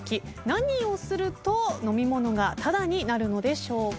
何をすると飲み物がタダになるのでしょうか？